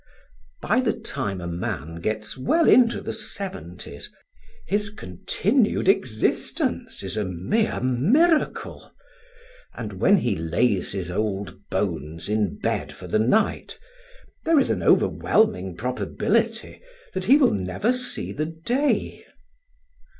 By the time a man gets well into the seventies, his continued existence is a mere miracle; and when he lays his old bones in bed for the night, there is an overwhelming probability that he will never see the day.